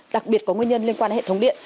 đặc biệt có nguyên nhân liên quan hệ thống điện